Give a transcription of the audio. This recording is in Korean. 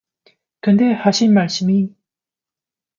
근데, 하실 말씀이...